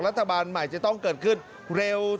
รัฐบาลใหม่จะต้องเกิดขึ้นเร็ว